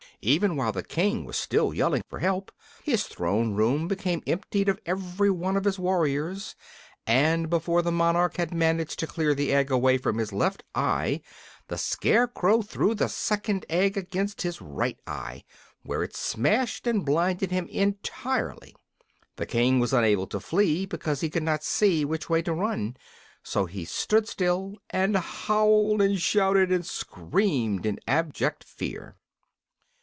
Even while the King was still yelling for help his throne room became emptied of every one of his warriors, and before the monarch had managed to clear the egg away from his left eye the Scarecrow threw the second egg against his right eye, where it smashed and blinded him entirely. The King was unable to flee because he could not see which way to run; so he stood still and howled and shouted and screamed in abject fear.